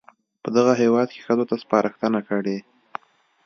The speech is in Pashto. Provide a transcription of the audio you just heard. په دغه هېواد کې ښځو ته سپارښتنه کړې